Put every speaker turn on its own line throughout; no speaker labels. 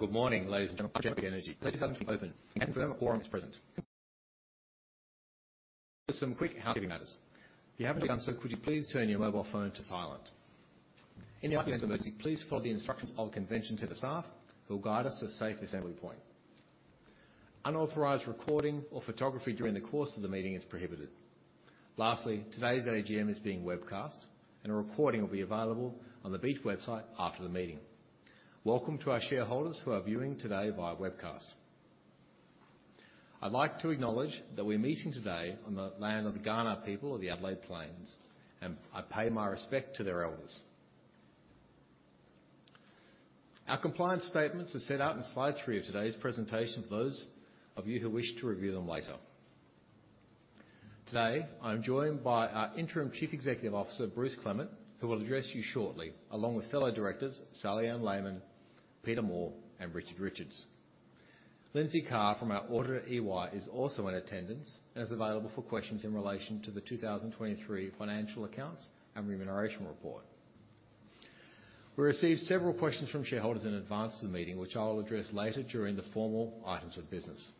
Well, good morning, ladies and gentlemen, Beach Energy. Please have open, and we have a quorum is present. Just some quick housekeeping matters. If you haven't done so, could you please turn your mobile phone to silent? In the event of an emergency, please follow the instructions of convention center staff who will guide us to a safe assembly point. Unauthorized recording or photography during the course of the meeting is prohibited. Lastly, today's AGM is being webcast, and a recording will be available on the Beach website after the meeting. Welcome to our shareholders who are viewing today via webcast. I'd like to acknowledge that we're meeting today on the land of the Kaurna people of the Adelaide Plains, and I pay my respect to their elders. Our compliance statements are set out in slide three of today's presentation for those of you who wish to review them later. Today, I'm joined by our Interim Chief Executive Officer, Bruce Clement, who will address you shortly, along with fellow directors, Sally-Anne Layman, Peter Moore, and Richard Richards. Lindsay Carr from our auditor, EY, is also in attendance and is available for questions in relation to the 2023 financial accounts and remuneration report. We received several questions from shareholders in advance of the meeting, which I will address later during the formal items of business.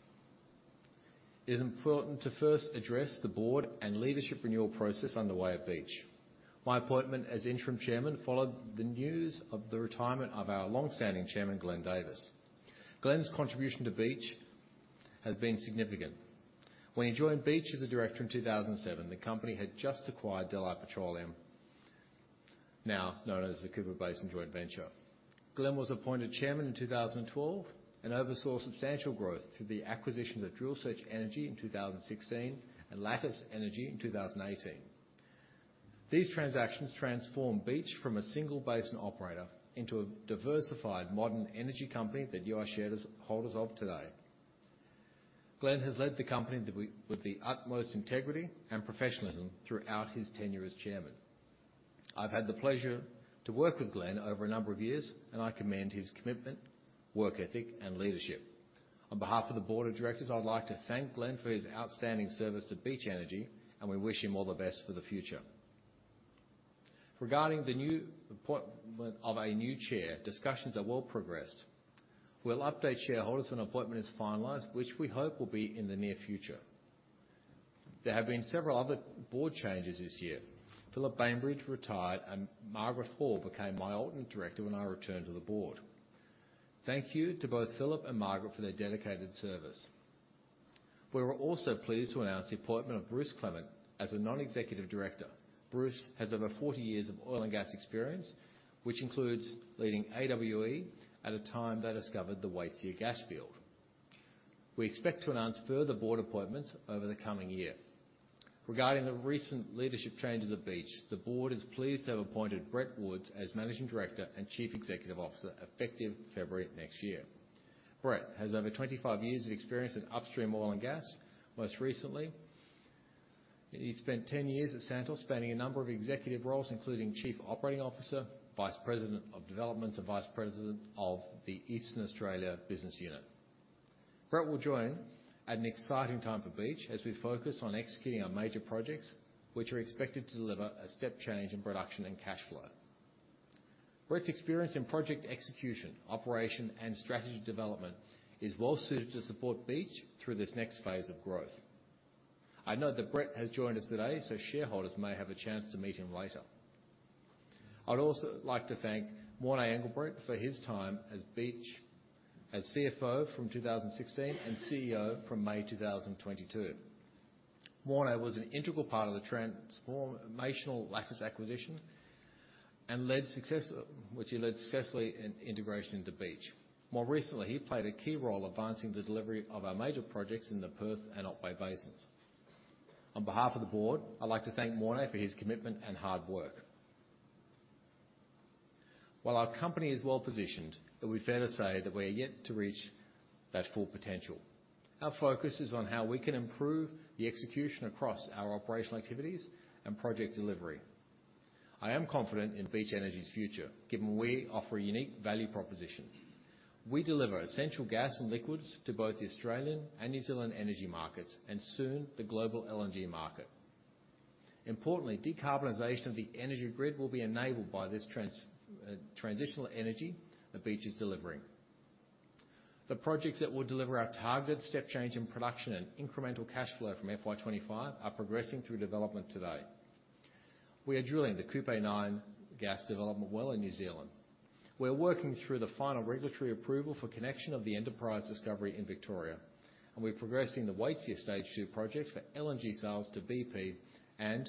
It is important to first address the board and leadership renewal process underway at Beach. My appointment as Interim Chairman followed the news of the retirement of our long-standing chairman, Glenn Davis. Glenn's contribution to Beach has been significant. When he joined Beach as a director in 2007, the company had just acquired Delhi Petroleum, now known as the Cooper Basin Joint Venture. Glenn was appointed Chairman in 2012 and oversaw substantial growth through the acquisition of Drill Search Energy in 2016 and Lattice Energy in 2018. These transactions transformed Beach from a single basin operator into a diversified modern energy company that you are shareholders of today. Glenn has led the company to be with the utmost integrity and professionalism throughout his tenure as chairman. I've had the pleasure to work with Glenn over a number of years, and I commend his commitment, work ethic, and leadership. On behalf of the board of directors, I'd like to thank Glenn for his outstanding service to Beach Energy, and we wish him all the best for the future. Regarding the new appointment of a new chair, discussions are well progressed. We'll update shareholders when appointment is finalized, which we hope will be in the near future. There have been several other board changes this year. Philip Bainbridge retired, and Margaret Hall became my alternate director when I returned to the board. Thank you to both Philip and Margaret for their dedicated service. We are also pleased to announce the appointment of Bruce Clement as a non-executive director. Bruce has over 40 years of oil and gas experience, which includes leading AWE at a time they discovered the Waitsia Gas Field. We expect to announce further board appointments over the coming year. Regarding the recent leadership changes at Beach, the board is pleased to have appointed Brett Woods as Managing Director and Chief Executive Officer, effective February of next year. Brett has over 25 years of experience in upstream oil and gas. Most recently, he spent 10 years at Santos, spanning a number of executive roles, including Chief Operating Officer, Vice President of Developments, and Vice President of the Eastern Australia business unit. Brett will join at an exciting time for Beach as we focus on executing our major projects, which are expected to deliver a step change in production and cash flow. Brett's experience in project execution, operation, and strategy development is well-suited to support Beach through this next phase of growth. I know that Brett has joined us today, so shareholders may have a chance to meet him later. I'd also like to thank Morné Engelbrecht for his time as Beach's CFO from 2016 and CEO from May 2022. Morné was an integral part of the transformational Lattice acquisition and led the successful integration into Beach, which he led successfully. More recently, he played a key role advancing the delivery of our major projects in the Perth and Otway Basins. On behalf of the board, I'd like to thank Morné for his commitment and hard work. While our company is well-positioned, it would be fair to say that we are yet to reach that full potential. Our focus is on how we can improve the execution across our operational activities and project delivery. I am confident in Beach Energy's future, given we offer a unique value proposition. We deliver essential gas and liquids to both the Australian and New Zealand energy markets, and soon, the global LNG market. Importantly, decarbonization of the energy grid will be enabled by this transitional energy that Beach is delivering. The projects that will deliver our targeted step change in production and incremental cash flow from FY 25 are progressing through development today. We are drilling the Kupe 9 gas development well in New Zealand. We are working through the final regulatory approval for connection of the Enterprise discovery in Victoria, and we're progressing the Waitsia Stage two project for LNG sales to BP, and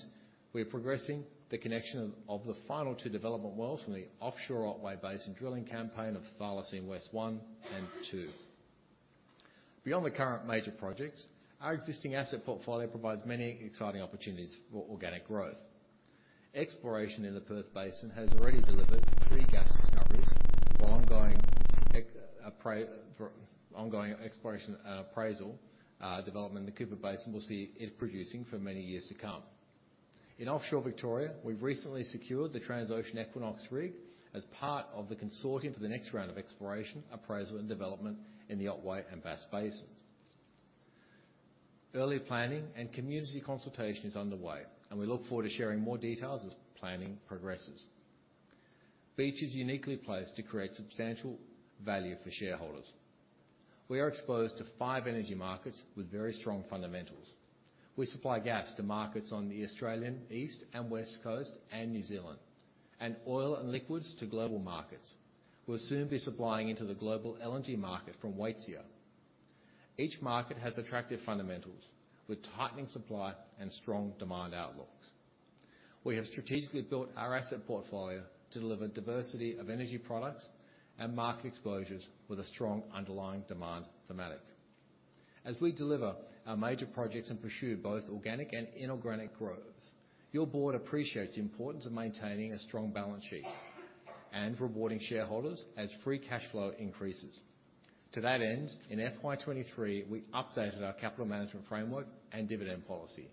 we are progressing the connection of the final two development wells from the offshore Otway Basin drilling campaign of Thylacine West 1 and 2. Beyond the current major projects, our existing asset portfolio provides many exciting opportunities for organic growth. Exploration in the Perth Basin has already delivered three gas discoveries, while ongoing exploration and appraisal, development in the Cooper Basin will see it producing for many years to come. In offshore Victoria, we've recently secured the Transocean Equinox rig as part of the consortium for the next round of exploration, appraisal, and development in the Otway and Bass basins. Early planning and community consultation is underway, and we look forward to sharing more details as planning progresses. Beach is uniquely placed to create substantial value for shareholders. We are exposed to five energy markets with very strong fundamentals. We supply gas to markets on the Australian east and west coast and New Zealand, and oil and liquids to global markets. We'll soon be supplying into the global LNG market from Waitsia. Each market has attractive fundamentals, with tightening supply and strong demand outlooks. We have strategically built our asset portfolio to deliver diversity of energy products and market exposures with a strong underlying demand thematic. As we deliver our major projects and pursue both organic and inorganic growth, your board appreciates the importance of maintaining a strong balance sheet and rewarding shareholders as free cash flow increases. To that end, in FY 2023, we updated our capital management framework and dividend policy.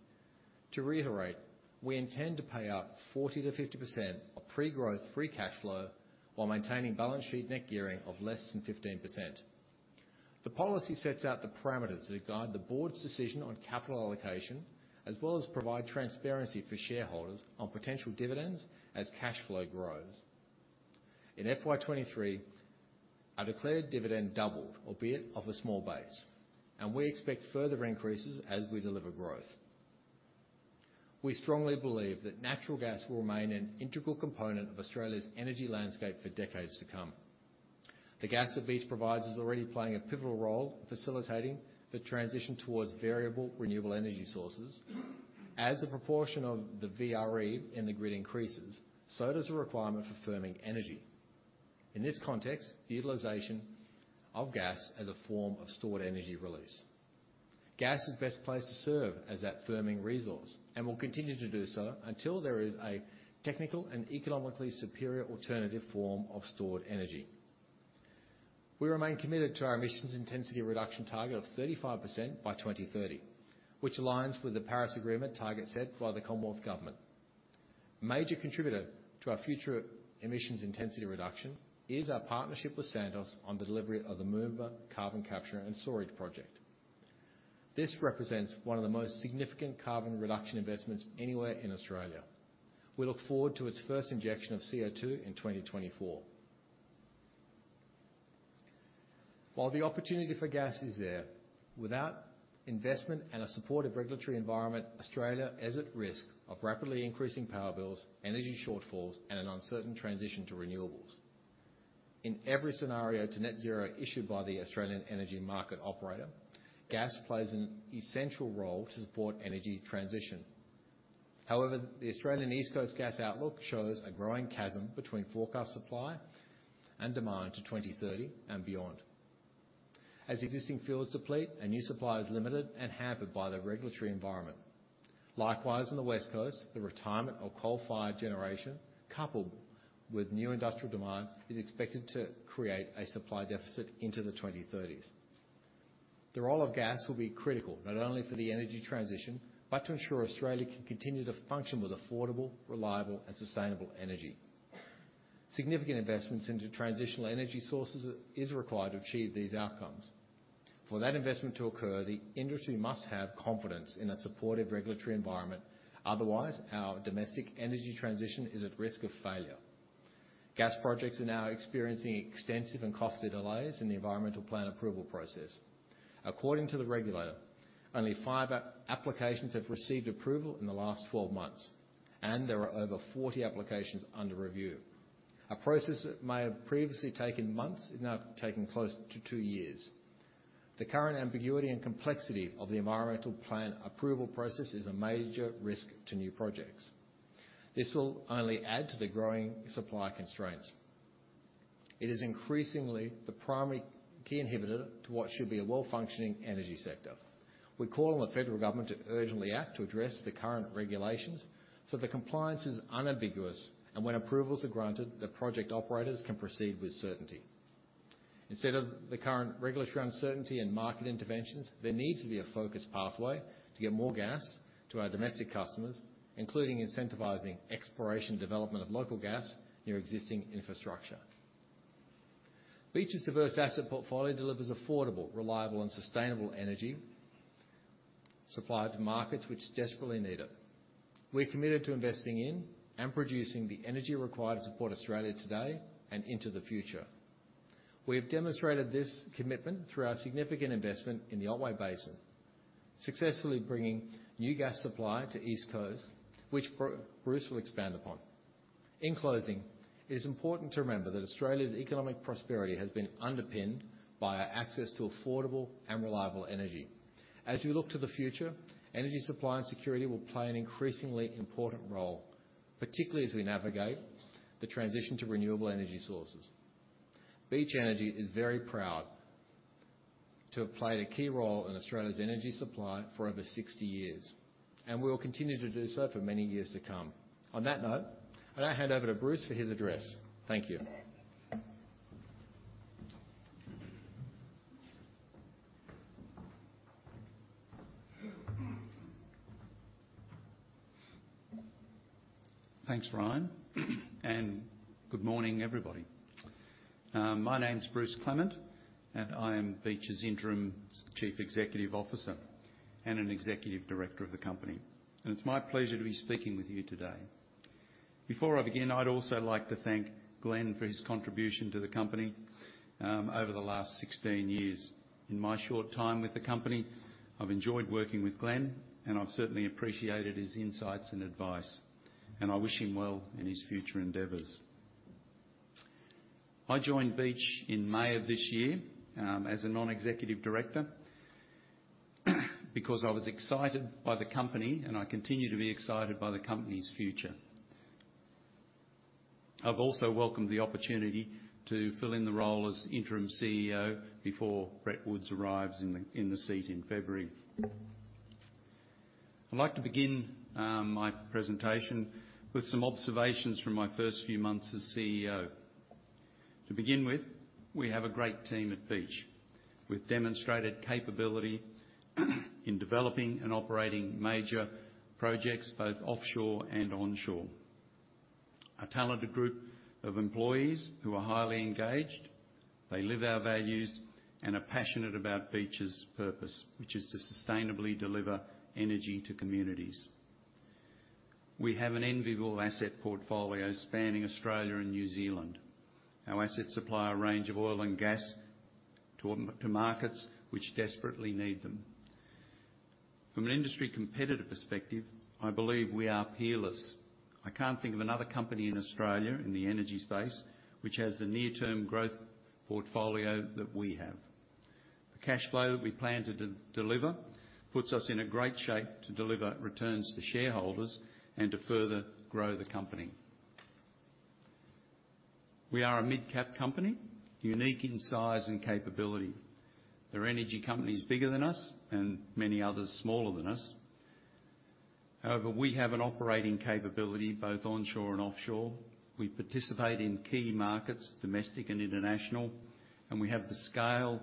To reiterate, we intend to pay out 40% to 50% of pre-growth free cash flow while maintaining balance sheet net gearing of less than 15%. The policy sets out the parameters that guide the board's decision on capital allocation, as well as provide transparency for shareholders on potential dividends as cash flow grows. In FY 2023, our declared dividend doubled, albeit off a small base, and we expect further increases as we deliver growth. We strongly believe that natural gas will remain an integral component of Australia's energy landscape for decades to come. The gas that Beach provides is already playing a pivotal role, facilitating the transition towards variable renewable energy sources. As the proportion of the VRE in the grid increases, so does the requirement for firming energy. In this context, the utilization of gas as a form of stored energy release. Gas is best placed to serve as that firming resource and will continue to do so until there is a technical and economically superior alternative form of stored energy. We remain committed to our emissions intensity reduction target of 35% by 2030, which aligns with the Paris Agreement target set by the Commonwealth Government. Major contributor to our future emissions intensity reduction is our partnership with Santos on the delivery of the Moomba Carbon Capture and Storage project. This represents one of the most significant carbon reduction investments anywhere in Australia. We look forward to its first injection of CO₂ in 2024. While the opportunity for gas is there, without investment and a supportive regulatory environment, Australia is at risk of rapidly increasing power bills, energy shortfalls, and an uncertain transition to renewables. In every scenario to net zero issued by the Australian energy market operator, gas plays an essential role to support energy transition. However, the Australian East Coast gas outlook shows a growing chasm between forecast supply and demand to 2030 and beyond. As existing fields deplete and new supply is limited and hampered by the regulatory environment. Likewise, in the West Coast, the retirement of coal-fired generation, coupled with new industrial demand, is expected to create a supply deficit into the 2030s. The role of gas will be critical, not only for the energy transition, but to ensure Australia can continue to function with affordable, reliable and sustainable energy. Significant investments into transitional energy sources is required to achieve these outcomes. For that investment to occur, the industry must have confidence in a supportive regulatory environment, otherwise, our domestic energy transition is at risk of failure. Gas projects are now experiencing extensive and costly delays in the environmental plan approval process. According to the regulator, only five applications have received approval in the last 12 months, and there are over 40 applications under review. A process that may have previously taken months is now taking close to two years. The current ambiguity and complexity of the environmental plan approval process is a major risk to new projects. This will only add to the growing supply constraints. It is increasingly the primary key inhibitor to what should be a well-functioning energy sector. We call on the federal government to urgently act to address the current regulations so the compliance is unambiguous, and when approvals are granted, the project operators can proceed with certainty. Instead of the current regulatory uncertainty and market interventions, there needs to be a focused pathway to get more gas to our domestic customers, including incentivizing exploration development of local gas near existing infrastructure. Beach's diverse asset portfolio delivers affordable, reliable, and sustainable energy supplied to markets which desperately need it. We're committed to investing in and producing the energy required to support Australia today and into the future. We have demonstrated this commitment through our significant investment in the Otway Basin, successfully bringing new gas supply to East Coast, which Bruce will expand upon. In closing, it is important to remember that Australia's economic prosperity has been underpinned by our access to affordable and reliable energy. As we look to the future, energy supply and security will play an increasingly important role, particularly as we navigate the transition to renewable energy sources. Beach Energy is very proud to have played a key role in Australia's energy supply for over 60 years, and we will continue to do so for many years to come. On that note, I now hand over to Bruce for his address. Thank you.
Thanks, Ryan, and good morning, everybody. My name is Bruce Clement, and I am Beach's Interim Chief Executive Officer and an Executive Director of the company. It's my pleasure to be speaking with you today. Before I begin, I'd also like to thank Glenn for his contribution to the company over the last 16 years. In my short time with the company, I've enjoyed working with Glenn, and I've certainly appreciated his insights and advice, and I wish him well in his future endeavors. I joined Beach in May of this year as a non-executive director, because I was excited by the company, and I continue to be excited by the company's future. I've also welcomed the opportunity to fill in the role as Interim CEO before Brett Woods arrives in the seat in February. I'd like to begin my presentation with some observations from my first few months as CEO. To begin with, we have a great team at Beach, with demonstrated capability in developing and operating major projects, both offshore and onshore. A talented group of employees who are highly engaged, they live our values and are passionate about Beach's purpose, which is to sustainably deliver energy to communities. We have an enviable asset portfolio spanning Australia and New Zealand. Our assets supply a range of oil and gas to markets which desperately need them. From an industry competitive perspective, I believe we are peerless. I can't think of another company in Australia, in the energy space, which has the near-term growth portfolio that we have. The cash flow that we plan to deliver puts us in a great shape to deliver returns to shareholders and to further grow the company. We are a mid-cap company, unique in size and capability. There are energy companies bigger than us and many others smaller than us. However, we have an operating capability, both onshore and offshore. We participate in key markets, domestic and international, and we have the scale,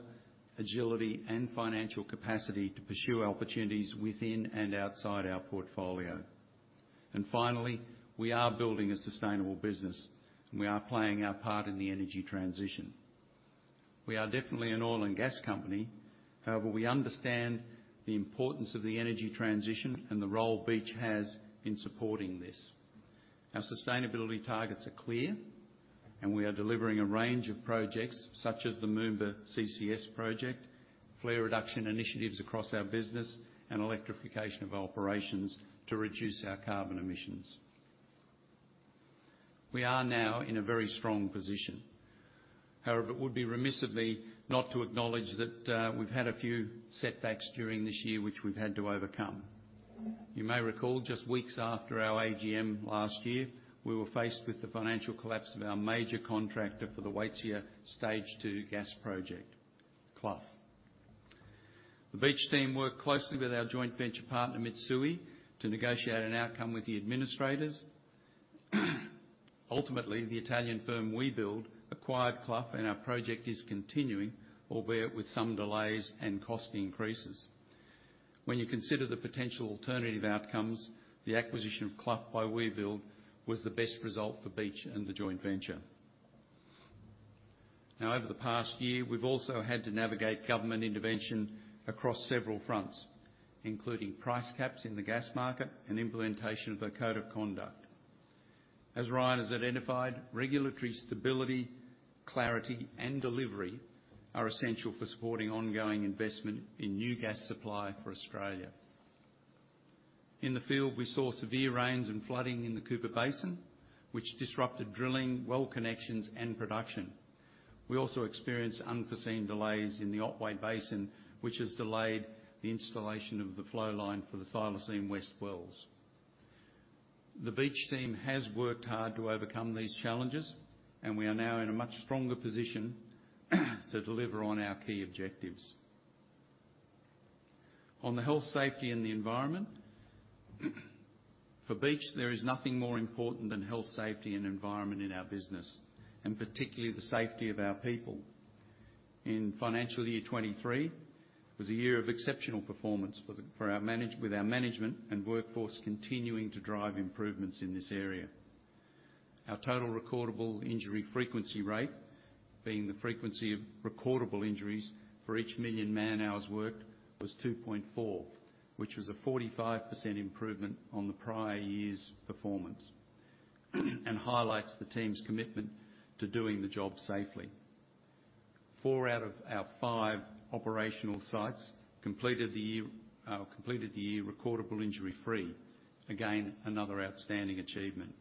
agility, and financial capacity to pursue opportunities within and outside our portfolio. And finally, we are building a sustainable business, and we are playing our part in the energy transition. We are definitely an oil and gas company, however, we understand the importance of the energy transition and the role Beach has in supporting this. Our sustainability targets are clear, and we are delivering a range of projects, such as the Moomba CCS project, flare reduction initiatives across our business, and electrification of operations to reduce our carbon emissions. We are now in a very strong position. However, it would be remiss of me not to acknowledge that, we've had a few setbacks during this year, which we've had to overcome. You may recall, just weeks after our AGM last year, we were faced with the financial collapse of our major contractor for the Waitsia Stage two gas project, Clough. The Beach team worked closely with our joint venture partner, Mitsui, to negotiate an outcome with the administrators. Ultimately, the Italian firm, Webuild acquired Clough, and our project is continuing, albeit with some delays and cost increases. When you consider the potential alternative outcomes, the acquisition of Clough by Webuild was the best result for Beach and the joint venture. Now, over the past year, we've also had to navigate government intervention across several fronts, including price caps in the gas market and implementation of a code of conduct. As Ryan has identified, regulatory stability, clarity, and delivery are essential for supporting ongoing investment in new gas supply for Australia. In the field, we saw severe rains and flooding in the Cooper Basin, which disrupted drilling, well connections, and production. We also experienced unforeseen delays in the Otway Basin, which has delayed the installation of the flow line for the Thylacine West wells. The Beach team has worked hard to overcome these challenges, and we are now in a much stronger position to deliver on our key objectives. On the health, safety, and the environment, for Beach, there is nothing more important than health, safety, and environment in our business, and particularly the safety of our people. In financial year 2023, it was a year of exceptional performance for our management and workforce continuing to drive improvements in this area. Our total recordable injury frequency rate, being the frequency of recordable injuries for each million man-hours worked, was 2.4, which was a 45% improvement on the prior year's performance, and highlights the team's commitment to doing the job safely. Four out of our five operational sites completed the year recordable injury-free. Again, another outstanding achievement.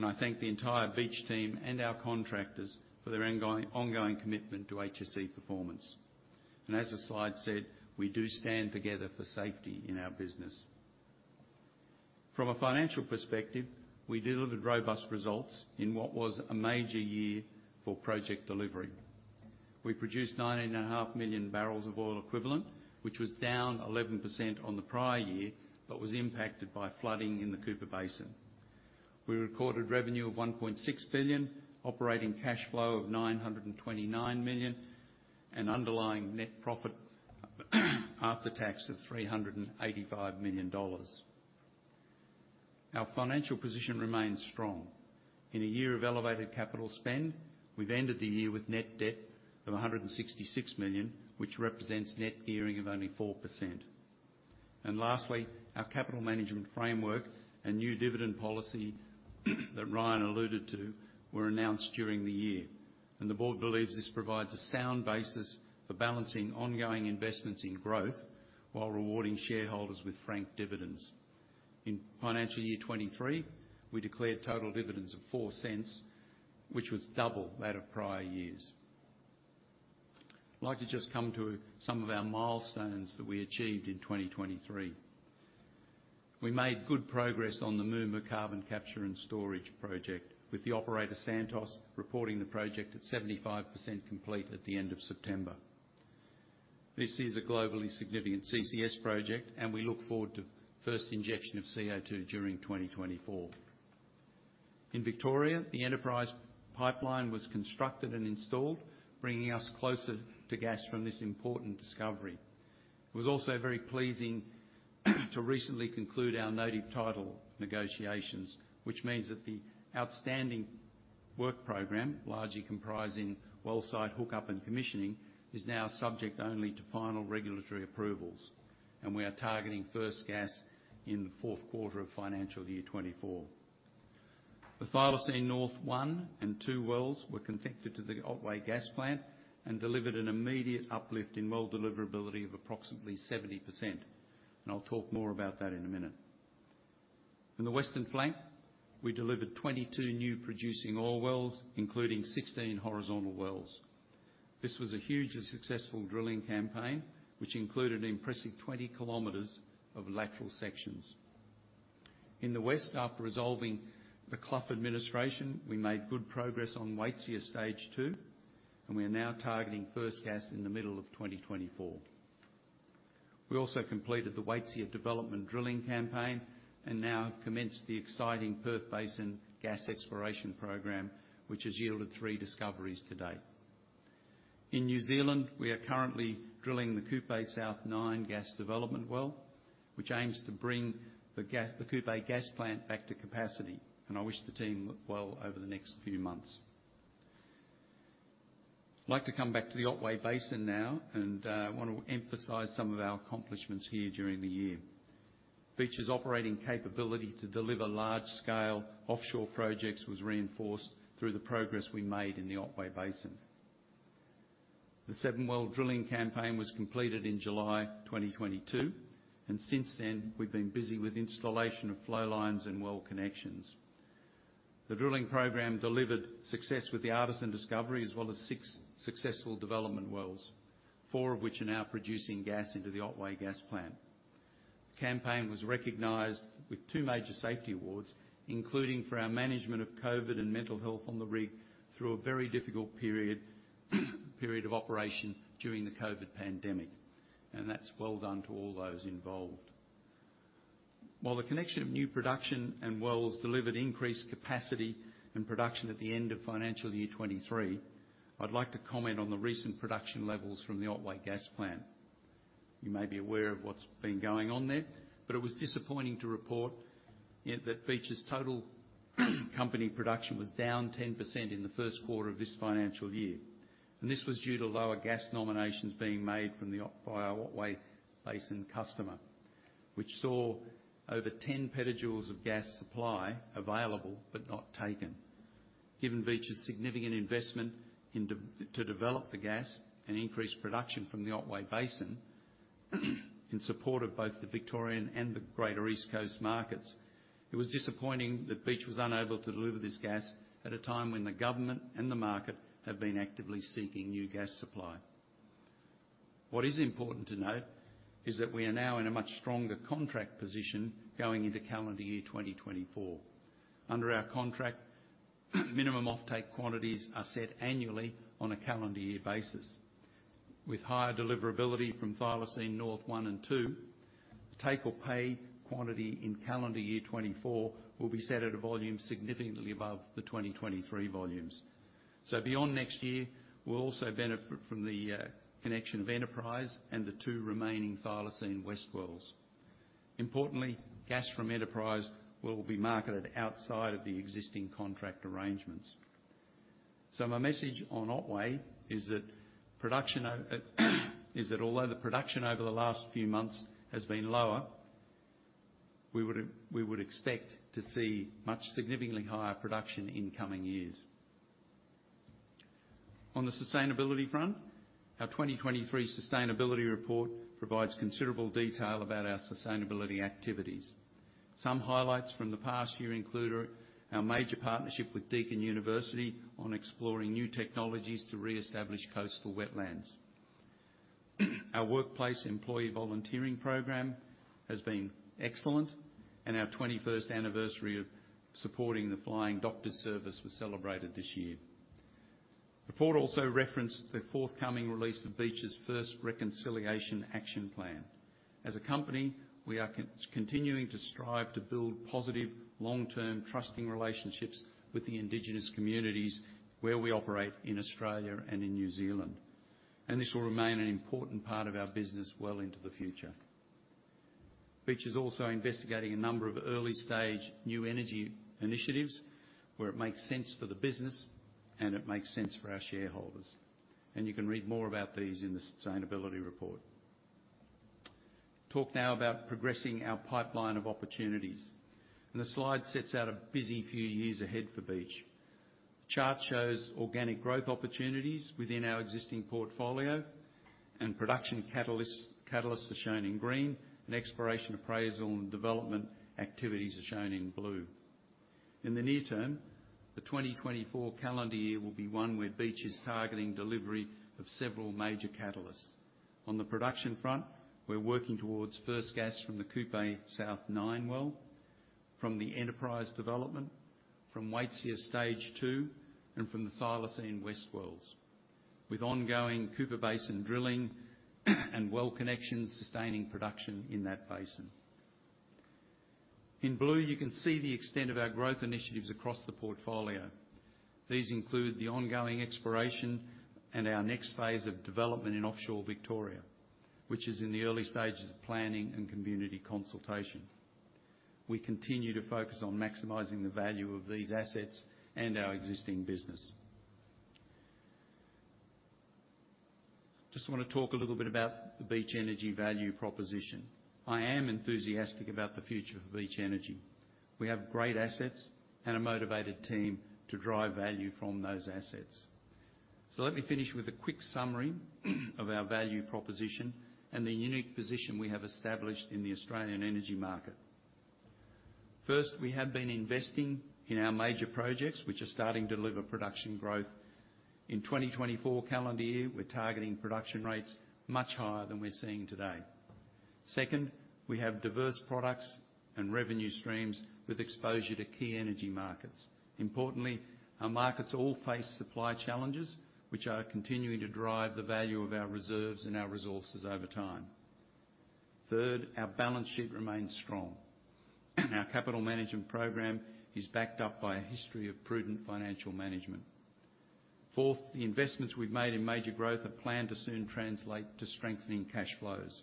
I thank the entire Beach team and our contractors for their ongoing commitment to HSE performance. As the slide said, we do stand together for safety in our business. From a financial perspective, we delivered robust results in what was a major year for project delivery. We produced 19.5 million barrels of oil equivalent, which was down 11% on the prior year, but was impacted by flooding in the Cooper Basin. We recorded revenue of 1.6 billion, operating cash flow of 929 million, and underlying net profit after tax of 385 million dollars. Our financial position remains strong. In a year of elevated capital spend, we've ended the year with net debt of 166 million, which represents net gearing of only 4%. Lastly, our capital management framework and new dividend policy, that Ryan alluded to, were announced during the year, and the board believes this provides a sound basis for balancing ongoing investments in growth while rewarding shareholders with frank dividends. In financial year 2023, we declared total dividends of 0.04, which was double that of prior years. I'd like to just come to some of our milestones that we achieved in 2023. We made good progress on the Moomba Carbon Capture and Storage Project, with the operator, Santos, reporting the project at 75% complete at the end of September. This is a globally significant CCS project, and we look forward to first injection of CO₂ during 2024. In Victoria, the Enterprise pipeline was constructed and installed, bringing us closer to gas from this important discovery. It was also very pleasing to recently conclude our native title negotiations, which means that the outstanding work program, largely comprising well site hookup and commissioning, is now subject only to final regulatory approvals, and we are targeting first gas in the Q4 of financial year 2024. The Thylacine North-1 and 2 wells were connected to the Otway Gas Plant and delivered an immediate uplift in well deliverability of approximately 70%, and I'll talk more about that in a minute. In the Western Flank, we delivered 22 new producing oil wells, including 16 horizontal wells. This was a hugely successful drilling campaign, which included an impressive 20 kilometers of lateral sections. In the West, after resolving the Clough administration, we made good progress on Waitsia Stage 2, and we are now targeting first gas in the middle of 2024. We also completed the Waitsia development drilling campaign and now have commenced the exciting Perth Basin gas exploration program, which has yielded three discoveries to date. In New Zealand, we are currently drilling the Kupe South-9 gas development well, which aims to bring the gas, the Kupe gas plant back to capacity, and I wish the team well over the next few months. I'd like to come back to the Otway Basin now, and I want to emphasize some of our accomplishments here during the year. Beach's operating capability to deliver large-scale offshore projects was reinforced through the progress we made in the Otway Basin. The seven-well drilling campaign was completed in July 2022, and since then, we've been busy with installation of flow lines and well connections. The drilling program delivered success with the Artisan discovery, as well as six successful development wells, four of which are now producing gas into the Otway gas plant. The campaign was recognized with two major safety awards, including for our management of COVID and mental health on the rig through a very difficult period of operation during the COVID pandemic. And that's well done to all those involved. While the connection of new production and wells delivered increased capacity and production at the end of financial year 2023, I'd like to comment on the recent production levels from the Otway gas plant. You may be aware of what's been going on there, but it was disappointing to report, yeah, that Beach's total company production was down 10% in the first quarter of this financial year. This was due to lower gas nominations being made by our Otway Basin customer, which saw over 10 petajoules of gas supply available but not taken. Given Beach's significant investment to develop the gas and increase production from the Otway Basin, in support of both the Victorian and the Greater East Coast markets, it was disappointing that Beach was unable to deliver this gas at a time when the government and the market have been actively seeking new gas supply. What is important to note is that we are now in a much stronger contract position going into calendar year 2024. Under our contract, minimum offtake quantities are set annually on a calendar year basis. With higher deliverability from Thylacine North-1 and 2, take-or-pay quantity in calendar year 2024 will be set at a volume significantly above the 2023 volumes. So beyond next year, we'll also benefit from the connection of Enterprise and the 2 remaining Thylacine West wells. Importantly, gas from Enterprise will be marketed outside of the existing contract arrangements. So my message on Otway is that although the production over the last few months has been lower, we would expect to see much significantly higher production in coming years. On the sustainability front, our 2023 sustainability report provides considerable detail about our sustainability activities. Some highlights from the past year include our major partnership with Deakin University on exploring new technologies to reestablish coastal wetlands. Our workplace employee volunteering program has been excellent, and our 21st anniversary of supporting the Flying Doctors Service was celebrated this year. The report also referenced the forthcoming release of Beach's first Reconciliation Action Plan. As a company, we are continuing to strive to build positive, long-term, trusting relationships with the indigenous communities where we operate in Australia and in New Zealand, and this will remain an important part of our business well into the future. Beach is also investigating a number of early-stage new energy initiatives, where it makes sense for the business and it makes sense for our shareholders, and you can read more about these in the sustainability report. Talk now about progressing our pipeline of opportunities, and the slide sets out a busy few years ahead for Beach. The chart shows organic growth opportunities within our existing portfolio, and production catalysts, catalysts are shown in green, and exploration, appraisal, and development activities are shown in blue. In the near term, the 2024 calendar year will be one where Beach is targeting delivery of several major catalysts. On the production front, we're working towards first gas from the Kupe South-9 well, from the Enterprise development, from Waitsia Stage 2, and from the Thylacine West wells. With ongoing Cooper Basin drilling and well connections sustaining production in that basin. In blue, you can see the extent of our growth initiatives across the portfolio. These include the ongoing exploration and our next phase of development in offshore Victoria, which is in the early stages of planning and community consultation. We continue to focus on maximizing the value of these assets and our existing business. Just want to talk a little bit about the Beach Energy value proposition. I am enthusiastic about the future of Beach Energy. We have great assets and a motivated team to drive value from those assets. So let me finish with a quick summary of our value proposition and the unique position we have established in the Australian Energy Market. First, we have been investing in our major projects, which are starting to deliver production growth. In 2024 calendar year, we're targeting production rates much higher than we're seeing today. Second, we have diverse products and revenue streams with exposure to key energy markets. Importantly, our markets all face supply challenges, which are continuing to drive the value of our reserves and our resources over time. Third, our balance sheet remains strong, and our capital management program is backed up by a history of prudent financial management. Fourth, the investments we've made in major growth are planned to soon translate to strengthening cash flows.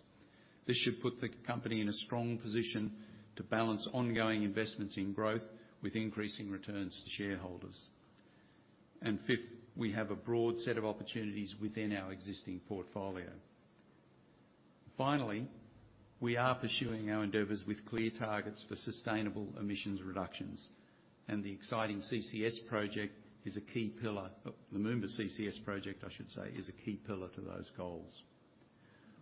This should put the company in a strong position to balance ongoing investments in growth with increasing returns to shareholders. And fifth, we have a broad set of opportunities within our existing portfolio. Finally, we are pursuing our endeavors with clear targets for sustainable emissions reductions, and the exciting CCS project is a key pillar, the Moomba CCS project, I should say, is a key pillar to those goals.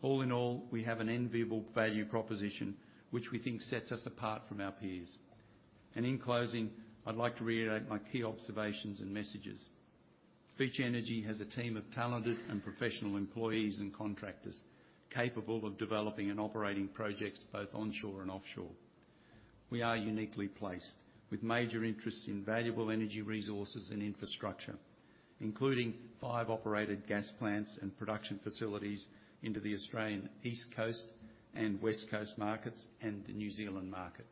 All in all, we have an enviable value proposition, which we think sets us apart from our peers. And in closing, I'd like to reiterate my key observations and messages. Beach Energy has a team of talented and professional employees and contractors, capable of developing and operating projects both onshore and offshore. We are uniquely placed, with major interests in valuable energy resources and infrastructure, including five operated gas plants and production facilities into the Australian East Coast and West Coast markets and the New Zealand market.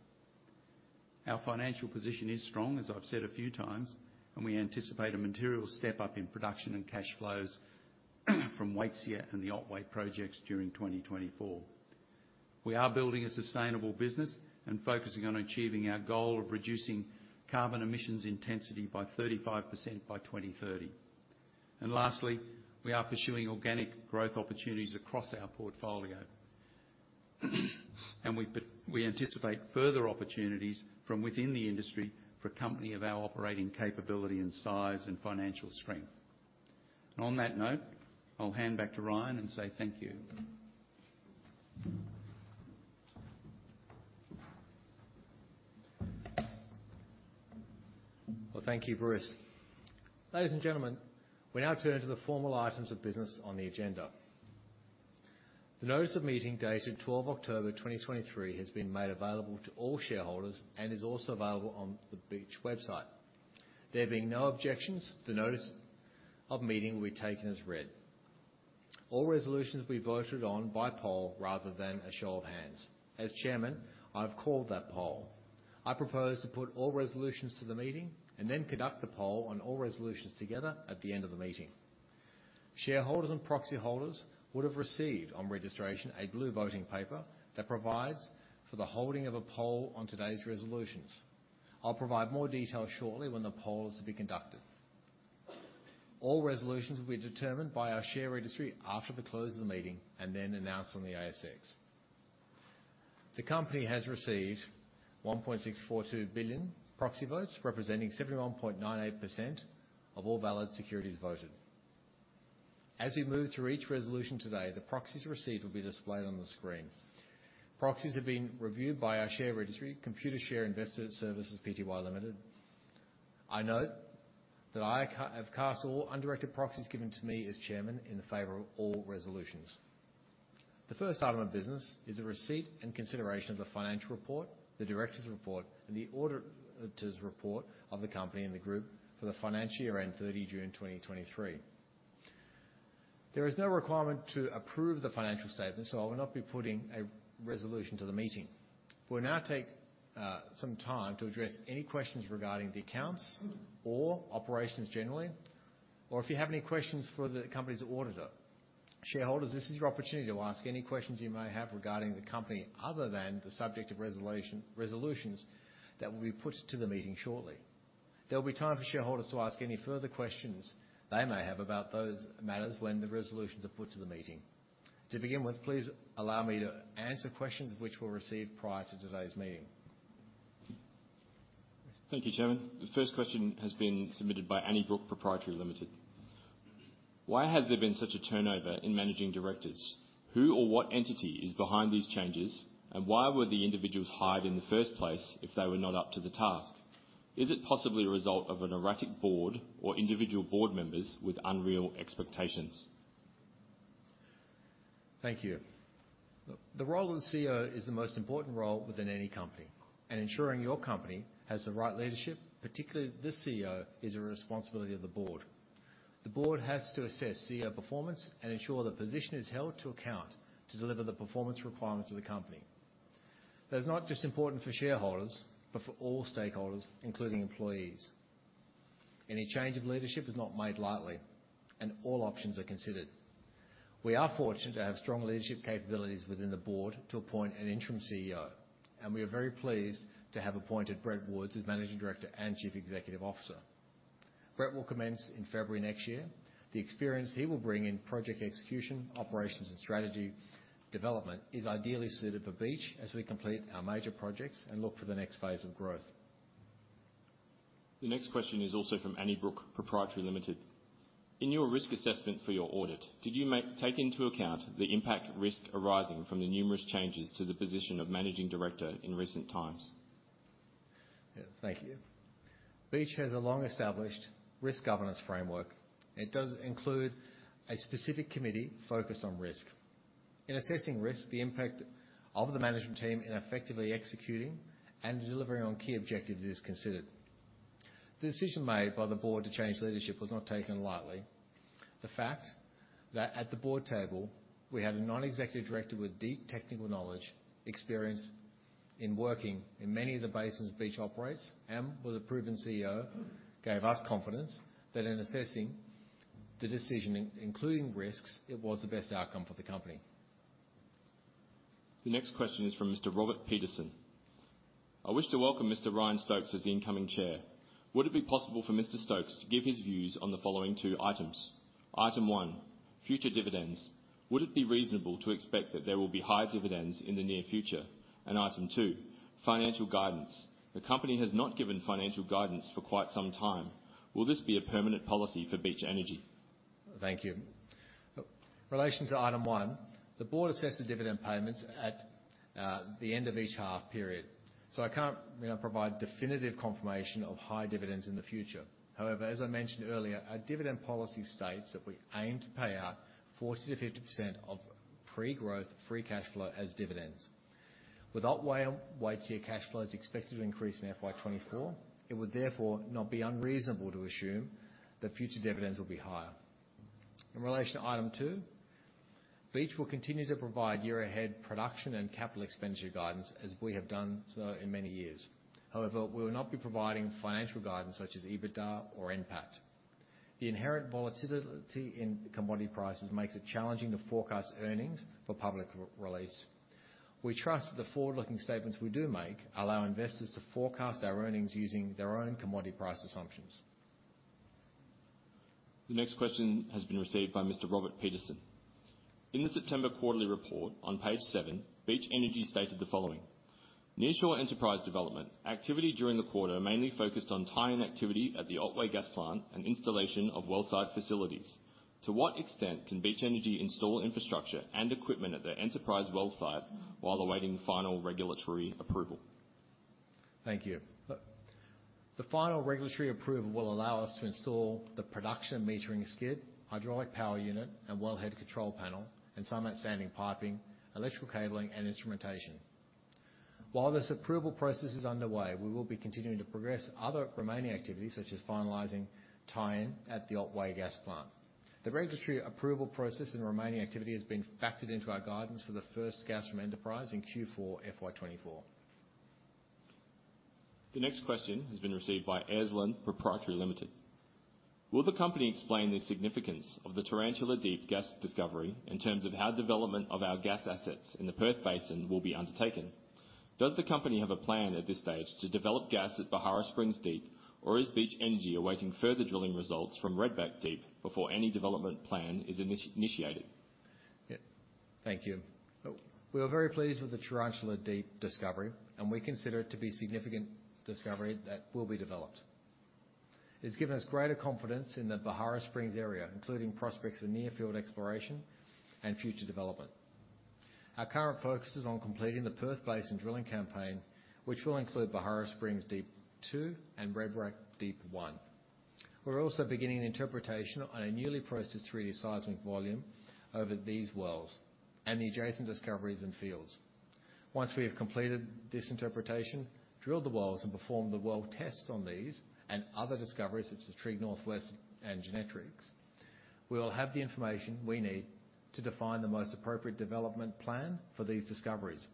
Our financial position is strong, as I've said a few times, and we anticipate a material step-up in production and cash flows, from Waitsia and the Otway projects during 2024. We are building a sustainable business and focusing on achieving our goal of reducing carbon emissions intensity by 35% by 2030. And lastly, we are pursuing organic growth opportunities across our portfolio. And we anticipate further opportunities from within the industry for a company of our operating capability, and size, and financial strength. And on that note, I'll hand back to Ryan and say thank you.
Well, thank you, Bruce. Ladies and gentlemen, we now turn to the formal items of business on the agenda. The notice of meeting, dated 12 October 2023, has been made available to all shareholders and is also available on the Beach website. There being no objections, the notice of meeting will be taken as read. All resolutions will be voted on by poll rather than a show of hands. As Chairman, I've called that poll. I propose to put all resolutions to the meeting and then conduct the poll on all resolutions together at the end of the meeting. Shareholders and proxy holders would have received, on registration, a blue voting paper that provides for the holding of a poll on today's resolutions. I'll provide more detail shortly when the poll is to be conducted. All resolutions will be determined by our share registry after the close of the meeting and then announced on the ASX. The company has received 1.642 billion proxy votes, representing 71.98% of all valid securities voted. As we move through each resolution today, the proxies received will be displayed on the screen. Proxies have been reviewed by our share registry, Computershare Investor Services Pty Limited. I note that I have cast all undirected proxies given to me as Chairman in the favor of all resolutions. The first item of business is a receipt and consideration of the financial report, the directors' report, and the auditor's report of the company and the group for the financial year ended 30 June 2023. There is no requirement to approve the financial statements, so I will not be putting a resolution to the meeting. We'll now take some time to address any questions regarding the accounts or operations generally, or if you have any questions for the company's auditor. Shareholders, this is your opportunity to ask any questions you may have regarding the company, other than the subject of resolution, resolutions that will be put to the meeting shortly. There will be time for shareholders to ask any further questions they may have about those matters when the resolutions are put to the meeting. To begin with, please allow me to answer questions which were received prior to today's meeting.
Thank you, Chairman. The first question has been submitted by Anniebrook Proprietary Limited. Why has there been such a turnover in managing directors? Who or what entity is behind these changes? And why were the individuals hired in the first place if they were not up to the task? Is it possibly a result of an erratic board or individual board members with unreal expectations?
Thank you. Look, the role of the CEO is the most important role within any company, and ensuring your company has the right leadership, particularly the CEO, is a responsibility of the board. The board has to assess CEO performance and ensure the position is held to account to deliver the performance requirements of the company. That is not just important for shareholders, but for all stakeholders, including employees. Any change of leadership is not made lightly, and all options are considered. We are fortunate to have strong leadership capabilities within the board to appoint an interim CEO, and we are very pleased to have appointed Brett Woods as Managing Director and Chief Executive Officer. Brett will commence in February next year. The experience he will bring in project execution, operations, and strategy development is ideally suited for Beach as we complete our major projects and look for the next phase of growth.
The next question is also from Anniebrook Proprietary Limited. In your risk assessment for your audit, did you take into account the impact risk arising from the numerous changes to the position of managing director in recent times?
Yeah. Thank you. Beach has a long-established risk governance framework. It does include a specific committee focused on risk. In assessing risk, the impact of the management team in effectively executing and delivering on key objectives is considered. The decision made by the board to change leadership was not taken lightly. The fact that at the board table, we had a non-executive director with deep technical knowledge, experience in working in many of the basins Beach operates, and with a proven CEO, gave us confidence that in assessing the decision, including risks, it was the best outcome for the company.
The next question is from Mr. Robert Peterson: I wish to welcome Mr. Ryan Stokes as the incoming chair. Would it be possible for Mr. Stokes to give his views on the following two items? Item one, future dividends. Would it be reasonable to expect that there will be high dividends in the near future? And item two, financial guidance. The company has not given financial guidance for quite some time. Will this be a permanent policy for Beach Energy?
Thank you. Look, in relation to item one, the board assesses dividend payments at the end of each half period, so I can't, you know, provide definitive confirmation of high dividends in the future. However, as I mentioned earlier, our dividend policy states that we aim to pay out 40% to 50% of pre-growth, free cash flow as dividends. With Otway and Waitsia cash flows expected to increase in FY 2024, it would therefore not be unreasonable to assume that future dividends will be higher. In relation to item two, Beach will continue to provide year-ahead production and capital expenditure guidance, as we have done so in many years. However, we will not be providing financial guidance such as EBITDA or NPAT. The inherent volatility in commodity prices makes it challenging to forecast earnings for public re-release. We trust the forward-looking statements we do make allow investors to forecast our earnings using their own commodity price assumptions.
The next question has been received by Mr. Robert Peterson: In the September quarterly report on page seven, Beach Energy stated the following: "Nearshore Enterprise development activity during the quarter mainly focused on tie-in activity at the Otway gas plant and installation of wellsite facilities." To what extent can Beach Energy install infrastructure and equipment at their Enterprise wellsite while awaiting final regulatory approval?
Thank you. Look, the final regulatory approval will allow us to install the production metering skid, hydraulic power unit, and wellhead control panel, and some outstanding piping, electrical cabling, and instrumentation. While this approval process is underway, we will be continuing to progress other remaining activities, such as finalizing tie-in at the Otway Gas Plant. The regulatory approval process and remaining activity has been factored into our guidance for the first gas from Enterprise in Q4 FY 2024.
The next question has been received by Aislinn Proprietary Limited: Will the company explain the significance of the Tarantula Deep gas discovery in terms of how development of our gas assets in the Perth Basin will be undertaken? Does the company have a plan at this stage to develop gas at Beharra Springs Deep, or is Beach Energy awaiting further drilling results from Redback Deep before any development plan is initiated?
Yeah. Thank you. Look, we are very pleased with the Tarantula Deep discovery, and we consider it to be a significant discovery that will be developed. It's given us greater confidence in the Beharra Springs area, including prospects for near-field exploration and future development. Our current focus is on completing the Perth Basin drilling campaign, which will include Beharra Springs Deep 2 and Redback Deep 1. We're also beginning an interpretation on a newly processed 3-D seismic volume over these wells and the adjacent discoveries and fields. Once we have completed this interpretation, drilled the wells, and performed the well tests on these and other discoveries, such as Trigg Northwest and Gynatrix, we will have the information we need to define the most appropriate development plan for these discoveries,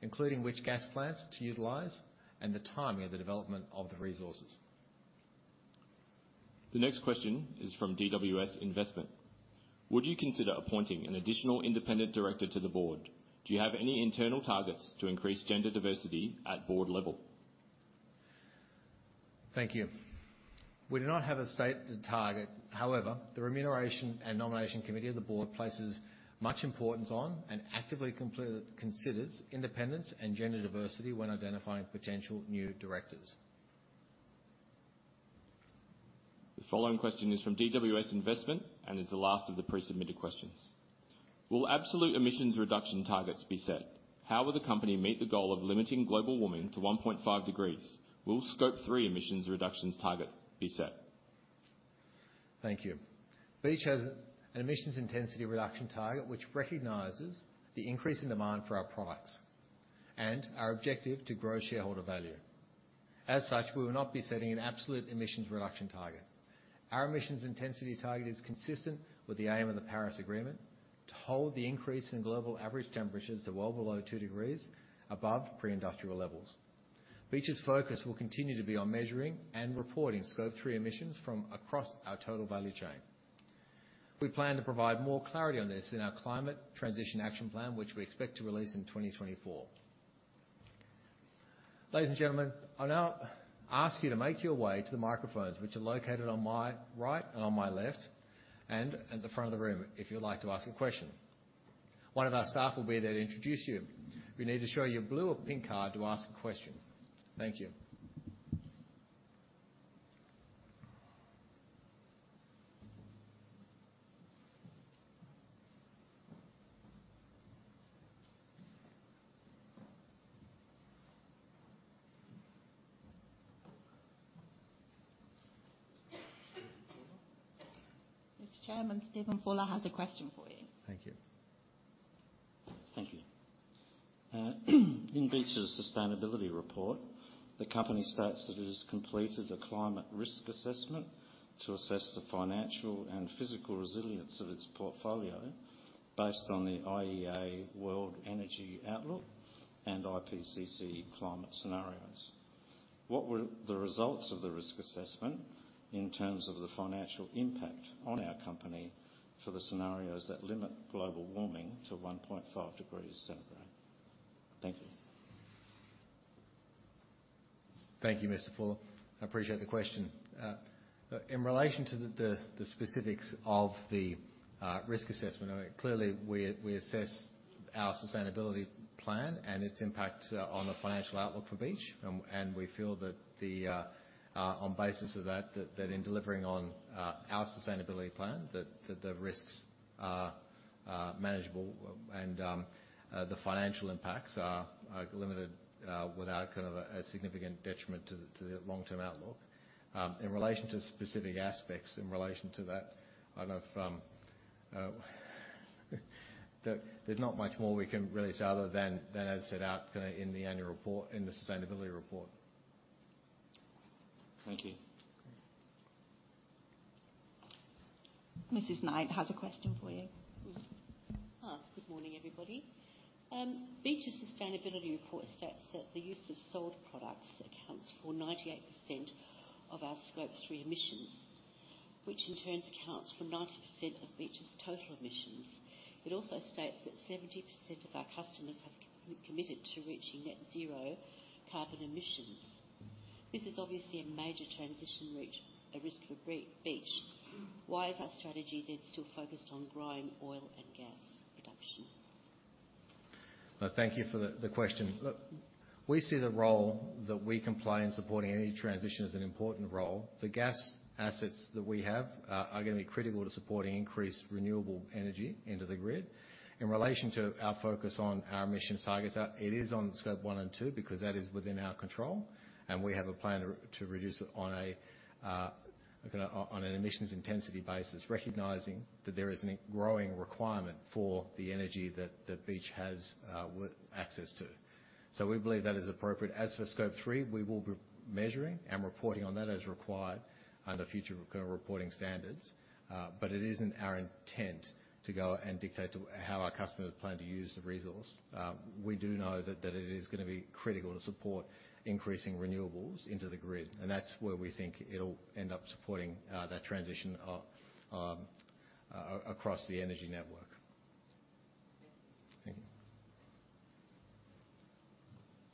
including which gas plants to utilize and the timing of the development of the resources.
The next question is from DWS Investment: Would you consider appointing an additional independent director to the board? Do you have any internal targets to increase gender diversity at board level?
Thank you. We do not have a stated target. However, the Remuneration and Nomination Committee of the board places much importance on, and actively considers independence and gender diversity when identifying potential new directors.
The following question is from DWS Investment and is the last of the pre-submitted questions: Will absolute emissions reduction targets be set? How will the company meet the goal of limiting global warming to 1.5 degrees? Will Scope three emissions reductions target be set?
Thank you. Beach has an emissions intensity reduction target, which recognizes the increasing demand for our products and our objective to grow shareholder value. As such, we will not be setting an absolute emissions reduction target. Our emissions intensity target is consistent with the aim of the Paris Agreement to hold the increase in global average temperatures to well below two degrees above pre-industrial levels. Beach's focus will continue to be on measuring and reporting Scope three emissions from across our total value chain. We plan to provide more clarity on this in our Climate Transition Action Plan, which we expect to release in 2024. Ladies and gentlemen, I'll now ask you to make your way to the microphones, which are located on my right and on my left, and at the front of the room, if you'd like to ask a question.
One of our staff will be there to introduce you. We need to show you a blue or pink card to ask a question. Thank you. Mr. Chairman, Stephen Fuller has a question for you.
Thank you.
Thank you. In Beach's sustainability report, the company states that it has completed a climate risk assessment to assess the financial and physical resilience of its portfolio based on the IEA World Energy Outlook and IPCC climate scenarios. What were the results of the risk assessment in terms of the financial impact on our company for the scenarios that limit global warming to 1.5 degrees centigrade? Thank you.
Thank you, Mr. Fuller. I appreciate the question. In relation to the specifics of the risk assessment, clearly, we assess our sustainability plan and its impact on the financial outlook for Beach. And we feel that the on basis of that, that in delivering on our sustainability plan, that the risks are manageable and the financial impacts are limited without kind of a significant detriment to the long-term outlook. In relation to specific aspects, in relation to that, I don't know if there there's not much more we can really say other than as set out kind of in the annual report, in the sustainability report.
Thank you.
Mrs. Knight has a question for you.
Good morning, everybody. Beach's sustainability report states that the use of sold products accounts for 98% of our Scope three emissions, which in turn accounts for 90% of Beach's total emissions. It also states that 70% of our customers have committed to reaching net zero carbon emissions. This is obviously a major transition risk, a risk for Beach. Why is our strategy then still focused on growing oil and gas production?
Thank you for the question. Look, we see the role that we can play in supporting any transition as an important role. The gas assets that we have, are gonna be critical to supporting increased renewable energy into the grid. In relation to our focus on our emissions targets, it is on Scope one and two, because that is within our control, and we have a plan to reduce it on a, on an emissions intensity basis, recognizing that there is a growing requirement for the energy that Beach has, with access to. So we believe that is appropriate. As for Scope three, we will be measuring and reporting on that as required under future current reporting standards, but it isn't our intent to go and dictate to... how our customers plan to use the resource. We do know that it is gonna be critical to support increasing renewables into the grid, and that's where we think it'll end up supporting that transition across the energy network. Thank you.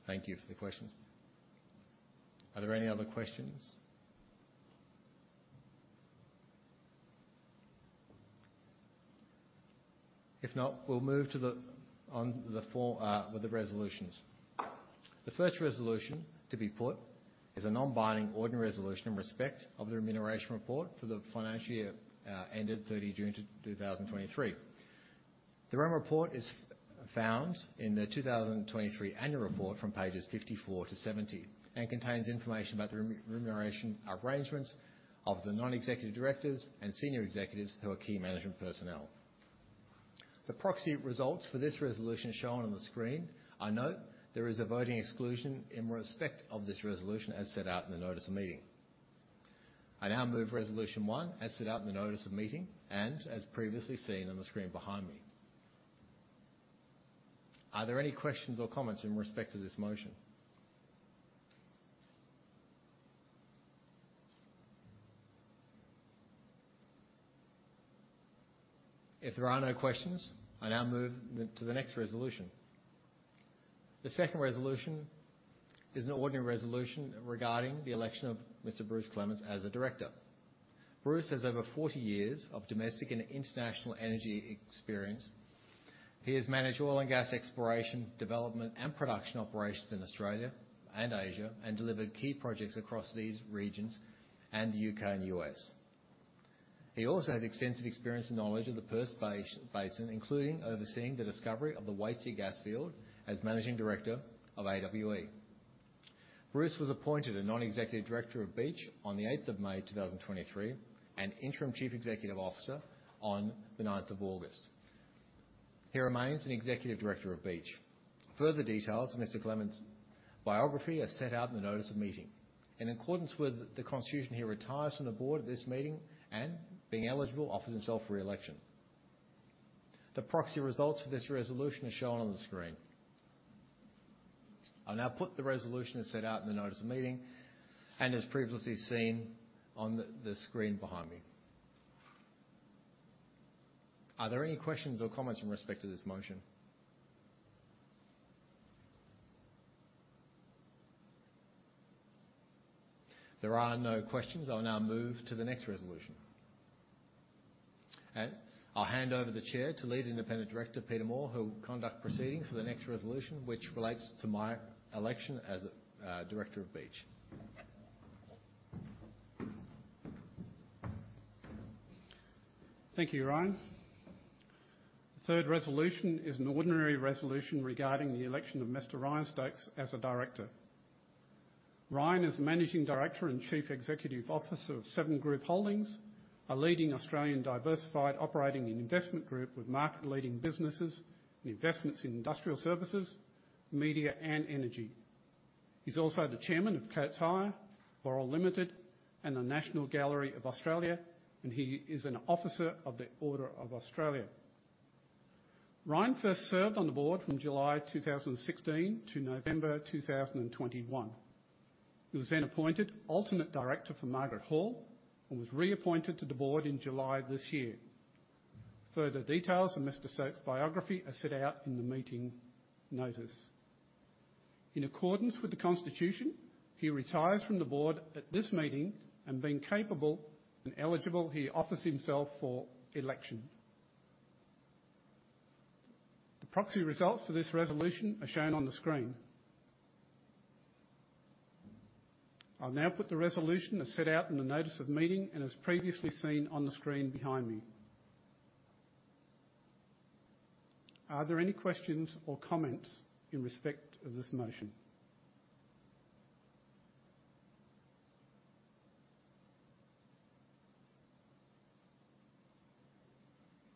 Thank you. Thank you for the questions. Are there any other questions? If not, we'll move on to the four resolutions. The first resolution to be put is a non-binding ordinary resolution in respect of the remuneration report for the financial year ended 30 June 2023. The remuneration report is found in the 2023 annual report from pages 54 to 70 and contains information about the remuneration arrangements of the non-executive directors and senior executives who are key management personnel. The proxy results for this resolution is shown on the screen. I note there is a voting exclusion in respect of this resolution as set out in the notice of meeting. I now move Resolution One, as set out in the notice of meeting and as previously seen on the screen behind me. Are there any questions or comments in respect to this motion? If there are no questions, I now move then to the next resolution. The second resolution is an ordinary resolution regarding the election of Mr. Bruce Clement as a director. Bruce has over 40 years of domestic and international energy experience. He has managed oil and gas exploration, development, and production operations in Australia and Asia, and delivered key projects across these regions and the UK and US. He also has extensive experience and knowledge of the Perth Basin, including overseeing the discovery of the Waitsia gas field as managing director of AWE. Bruce was appointed a non-executive director of Beach on the eighth of May, 2023, and Interim Chief Executive Officer on the ninth of August. He remains an executive director of Beach. Further details of Mr. Clement's biography are set out in the notice of meeting. In accordance with the constitution, he retires from the board at this meeting and, being eligible, offers himself for re-election. The proxy results for this resolution are shown on the screen. I'll now put the resolution as set out in the notice of meeting and as previously seen on the screen behind me. Are there any questions or comments in respect to this motion? There are no questions. I'll now move to the next resolution. I'll hand over the Chair to Lead Independent Director, Peter Moore, who will conduct proceedings for the next resolution, which relates to my election as Director of Beach.
Thank you, Ryan. The third resolution is an ordinary resolution regarding the election of Mr. Ryan Stokes as a director. Ryan is Managing Director and Chief Executive Officer of Seven Group Holdings, a leading Australian diversified operating and investment group with market-leading businesses and investments in industrial services, media, and energy. He's also the Chairman of Coates Hire, Boral Limited, and the National Gallery of Australia, and he is an Officer of the Order of Australia. Ryan first served on the board from July 2016 to November 2021. He was then appointed alternate director for Margaret Hall and was reappointed to the board in July this year. Further details of Mr. Stokes' biography are set out in the meeting notice. In accordance with the constitution, he retires from the board at this meeting and, being capable and eligible, he offers himself for election. The proxy results for this resolution are shown on the screen. I'll now put the resolution as set out in the notice of meeting and as previously seen on the screen behind me. Are there any questions or comments in respect of this motion?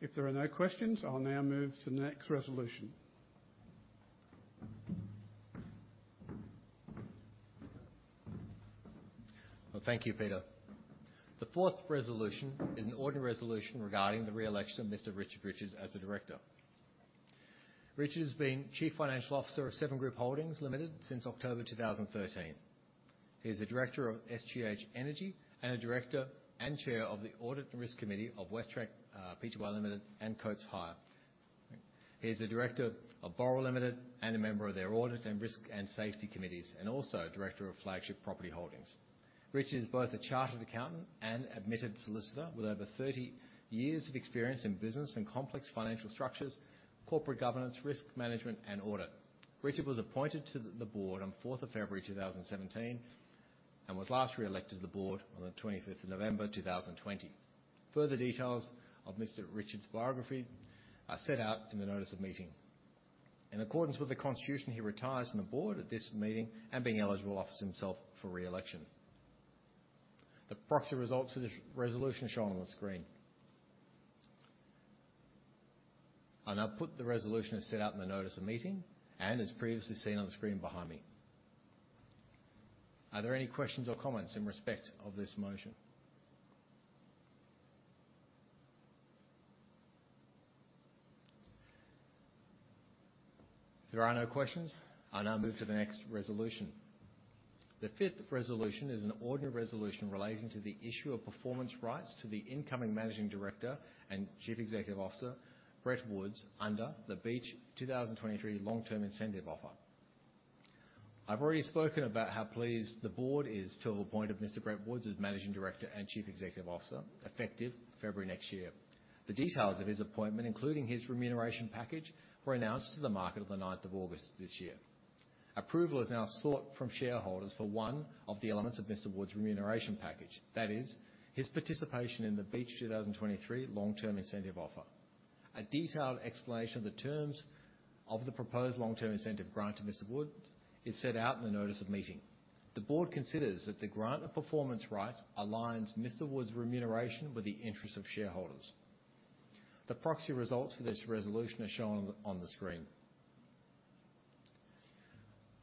If there are no questions, I'll now move to the next resolution.
Well, thank you, Peter. The fourth resolution is an ordinary resolution regarding the re-election of Mr. Richard Richards as a director. Richard has been Chief Financial Officer of Seven Group Holdings Limited since October 2013. He is a director of SGH Energy and a director and chair of the Audit and Risk Committee of WesTrac Pty Limited and Coates Hire. He is a director of Boral Limited and a member of their Audit and Risk and Safety Committees, and also director of Flagship Property Holdings. Richard is both a chartered accountant and admitted solicitor with over 30 years of experience in business and complex financial structures, corporate governance, risk management, and audit. Richard was appointed to the board on fourth of February 2017, and was last re-elected to the board on the 25th of November 2020. Further details of Mr. Richards' biography is set out in the notice of meeting. In accordance with the constitution, he retires from the board at this meeting and, being eligible, offers himself for re-election. The proxy results of this resolution are shown on the screen. I now put the resolution as set out in the notice of meeting and as previously seen on the screen behind me. Are there any questions or comments in respect of this motion? If there are no questions, I now move to the next resolution. The fifth resolution is an ordinary resolution relating to the issue of performance rights to the incoming Managing Director and Chief Executive Officer, Brett Woods, under the Beach 2023 long-term incentive offer. I've already spoken about how pleased the board is to have appointed Mr. Brett Woods as Managing Director and Chief Executive Officer, effective February next year. The details of his appointment, includingNo his remuneration package, were announced to the market on the ninth of August this year. Approval is now sought from shareholders for one of the elements of Mr. Woods' remuneration package, that is, his participation in the Beach 2023 long-term incentive offer. A detailed explanation of the terms of the proposed long-term incentive grant to Mr. Woods is set out in the notice of meeting. The board considers that the grant of performance rights aligns Mr. Woods remuneration with the interest of shareholders. The proxy results for this resolution are shown on the screen.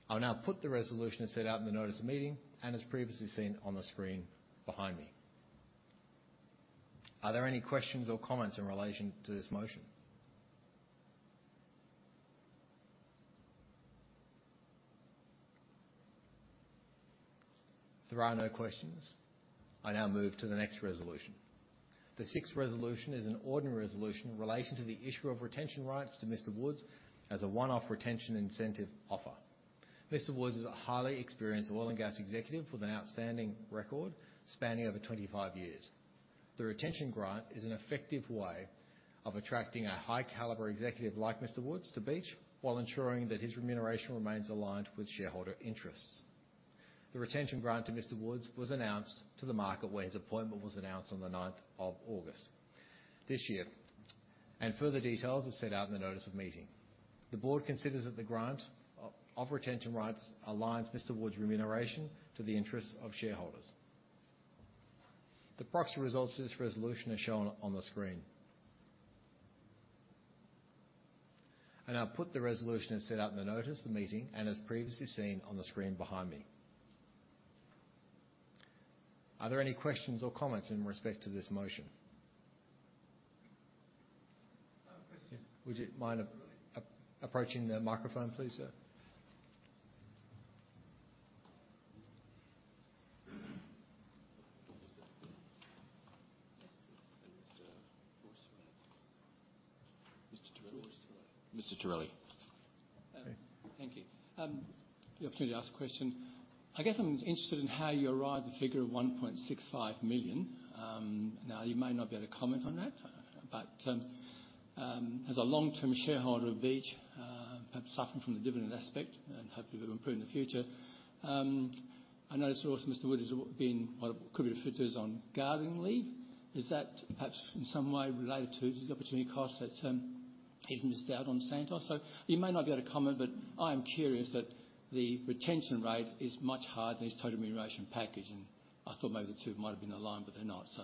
I'll now put the resolution as set out in the notice of meeting and as previously seen on the screen behind me. Are there any questions or comments in relation to this motion? If there are no questions, I now move to the next resolution. The sixth resolution is an ordinary resolution in relation to the issue of retention rights to Mr. Woods as a one-off retention incentive offer. Mr. Woods is a highly experienced oil and gas executive with an outstanding record spanning over 25 years. The retention grant is an effective way of attracting a high caliber executive like Mr. Woods to Beach, while ensuring that his remuneration remains aligned with shareholder interests. The retention grant to Mr. Woods was announced to the market when his appointment was announced on the ninth of August this year, and further details are set out in the notice of meeting. The board considers that the grant of retention rights aligns Mr. Woods' remuneration to the interests of shareholders. The proxy results for this resolution are shown on the screen. I now put the resolution as set out in the notice of the meeting and as previously seen on the screen behind me. Are there any questions or comments in respect to this motion?
I have a question.
Would you mind approaching the microphone, please, sir?
Mr. Torelli.
Mr. Torelli.
Thank you. The opportunity to ask a question. I guess I'm interested in how you arrived at the figure of 1.65 million. Now, you may not be able to comment on that, but, as a long-term shareholder of Beach, perhaps suffering from the dividend aspect and hopefully it will improve in the future. I noticed also, Mr. Woods, has been, well, could be referred to as on gardening leave. Is that perhaps in some way related to the opportunity cost that, he's missed out on Santos? So you may not be able to comment, but I am curious that the retention rate is much higher than his total remuneration package, and I thought maybe the two might have been aligned, but they're not. So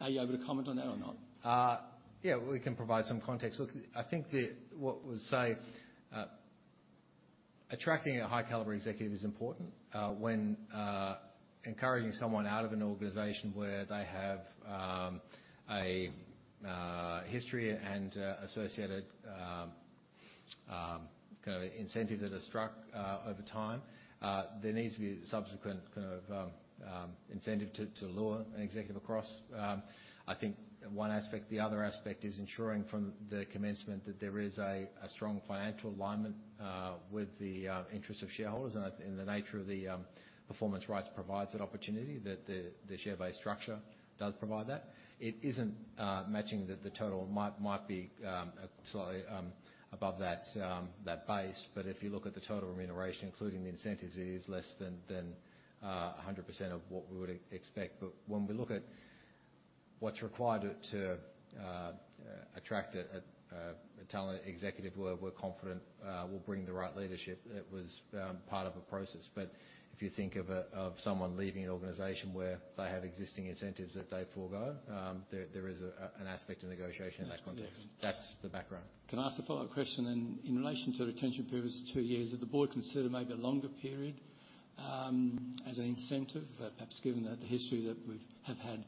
are you able to comment on that or not?
Yeah, we can provide some context. Look, I think what we'll say, attracting a high caliber executive is important, when encouraging someone out of an organization where they have a history and associated kind of incentives that are struck over time. There needs to be subsequent kind of incentive to lure an executive across. I think one aspect, the other aspect is ensuring from the commencement that there is a strong financial alignment with the interests of shareholders. And I think the nature of the performance rights provides that opportunity, that the share base structure does provide that. It isn't matching the total. Might be slightly above that base, but if you look at the total remuneration, including the incentives, it is less than 100% of what we would expect. But when we look at what's required to attract a talented executive, we're confident we'll bring the right leadership. It was part of a process. But if you think of someone leaving an organization where they have existing incentives that they forego, there is an aspect of negotiation in that context.
Yes.
That's the background.
Can I ask a follow-up question then? In relation to the retention period is two years, did the board consider maybe a longer period, as an incentive? Perhaps given that the history that we've have had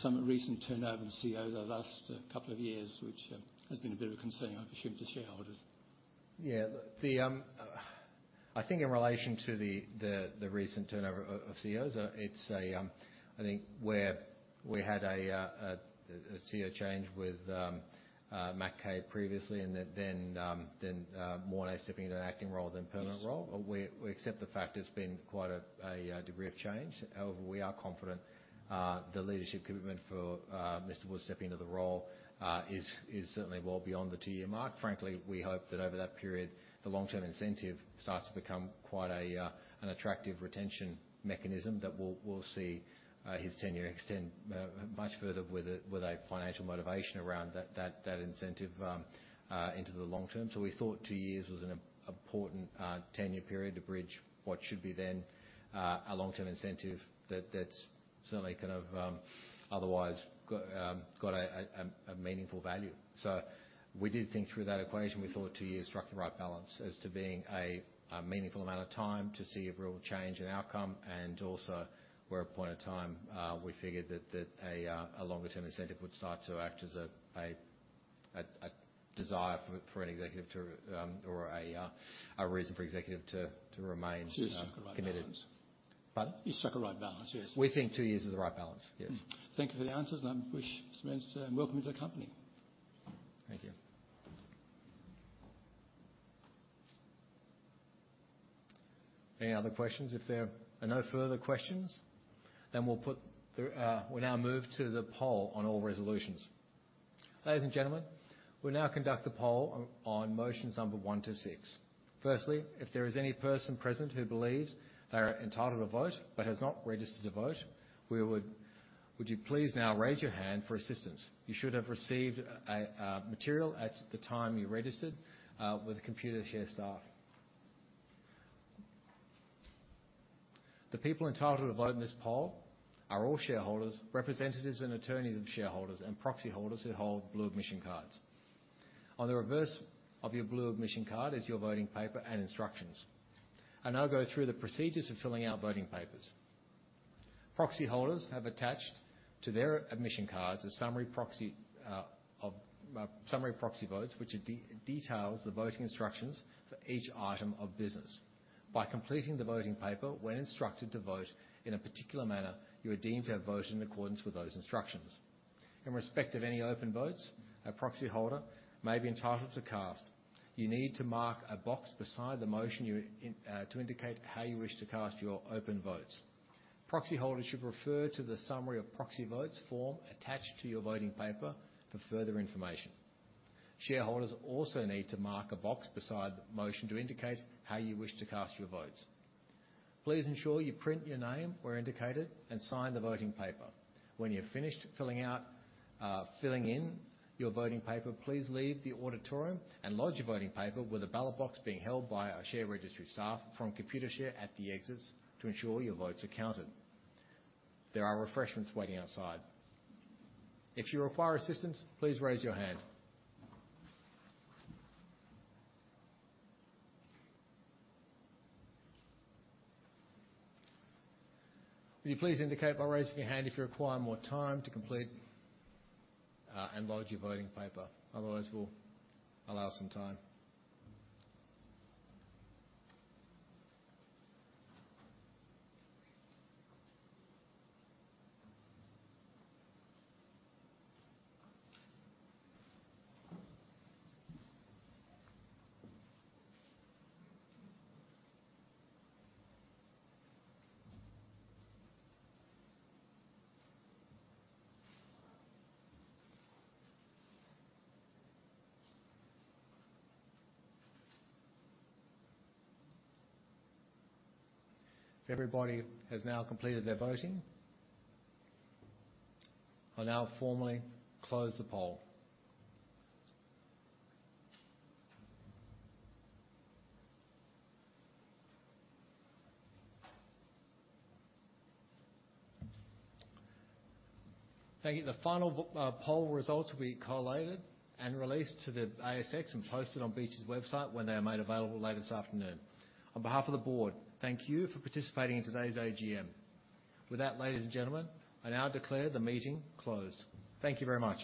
some recent turnover in CEOs over the last couple of years, which, has been a bit of a concern, I presume, to shareholders.
Yeah. I think in relation to the recent turnover of CEOs, it's I think where we had a CEO change with Matt Kay previously, and then Morné stepping into an acting role, then permanent role. We accept the fact it's been quite a degree of change. However, we are confident the leadership commitment for Mr. Woods stepping into the role is certainly well beyond the two year mark. Frankly, we hope that over that period, the long-term incentive starts to become quite an attractive retention mechanism that will see his tenure extend much further with a financial motivation around that incentive into the long term. So we thought two years was an important tenure period to bridge what should be then a long-term incentive that's certainly kind of otherwise got a meaningful value. So we did think through that equation. We thought two years struck the right balance as to being a meaningful amount of time to see a real change in outcome, and also where a point of time we figured that a longer-term incentive would start to act as a desire for an executive to or a reason for executive to remain committed.
You struck the right balance.
Pardon?
You struck the right balance, yes.
We think two years is the right balance, yes.
Thank you for the answers, and I wish Mr. Woods welcome to the company.
Thank you. Any other questions? If there are no further questions, then we'll put the... We now move to the poll on all resolutions. Ladies and gentlemen, we'll now conduct the poll on motions number one to six. Firstly, if there is any person present who believes they are entitled to vote but has not registered to vote, we would. Would you please now raise your hand for assistance? You should have received a material at the time you registered with the Computershare staff. The people entitled to vote in this poll are all shareholders, representatives, and attorneys of shareholders, and proxy holders who hold blue admission cards. On the reverse of your blue admission card is your voting paper and instructions. I'll now go through the procedures of filling out voting papers. Proxy holders have attached to their admission cards a summary proxy of summary proxy votes, which details the voting instructions for each item of business. By completing the voting paper when instructed to vote in a particular manner, you are deemed to have voted in accordance with those instructions. In respect of any open votes a proxy holder may be entitled to cast, you need to mark a box beside the motion you in to indicate how you wish to cast your open votes. Proxy holders should refer to the summary of proxy votes form attached to your voting paper for further information. Shareholders also need to mark a box beside the motion to indicate how you wish to cast your votes. Please ensure you print your name where indicated, and sign the voting paper. When you're finished filling out, filling in your voting paper, please leave the auditorium and lodge your voting paper with a ballot box being held by our share registry staff from Computershare at the exits to ensure your votes are counted. There are refreshments waiting outside. If you require assistance, please raise your hand. Will you please indicate by raising your hand if you require more time to complete, and lodge your voting paper? Otherwise, we'll allow some time. If everybody has now completed their voting, I'll now formally close the poll. Thank you. The final poll results will be collated and released to the ASX and posted on Beach's website when they are made available later this afternoon. On behalf of the board, thank you for participating in today's AGM. With that, ladies and gentlemen, I now declare the meeting closed. Thank you very much.